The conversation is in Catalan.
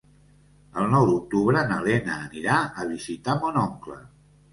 El nou d'octubre na Lena anirà a visitar mon oncle.